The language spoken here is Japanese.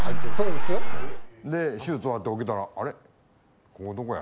で手術終わって起きたらあれここどこや？